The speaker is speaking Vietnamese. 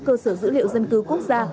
cơ sở dữ liệu dân cư quốc gia